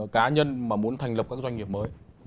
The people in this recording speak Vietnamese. cá nhân mà muốn thành lập các doanh nghiệp mới